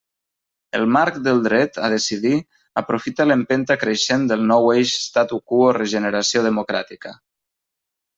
El marc del dret a decidir aprofita l'empenta creixent del nou eix statu quo-regeneració democràtica.